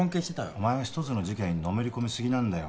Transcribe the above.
お前は一つの事件にのめり込みすぎなんだよ